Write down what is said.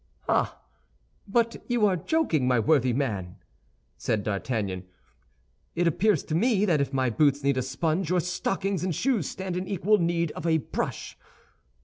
"Ah, but you are joking, my worthy man!" said D'Artagnan. "It appears to me that if my boots need a sponge, your stockings and shoes stand in equal need of a brush.